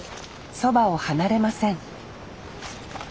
そばを離れません